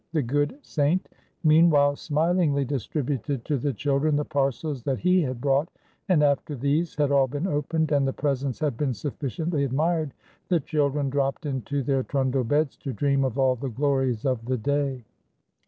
The good Saint meanwhile smilingly distributed to the children the parcels that he had brought, and, after these had all been opened and the presents had been sufficiently admired, the children dropped into their trundle beds to dream of all the glories of the day.